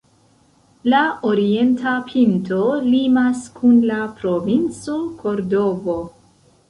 La orienta pinto limas kun la Provinco Kordovo.